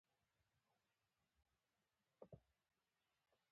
• د ځواب لپاره کښېنه.